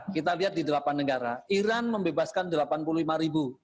kita lihat di delapan negara iran membebaskan delapan puluh lima ribu